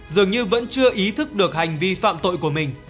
dường như vẫn chưa ý thức được hành vi phạm tội của mình